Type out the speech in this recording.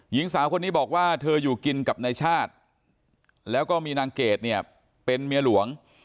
หญิงสาวคนนี้บอกว่าเธออยู่กินกับนายชาติแล้วก็มีนางเกดเนี่ยเป็นเมียหลวง